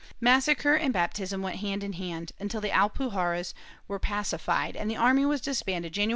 Massacre and baptism went hand in hand, until the Alpuj arras were pacified and the army was dis banded, January 14, 1501.